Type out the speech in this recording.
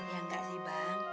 ya enggak sih bang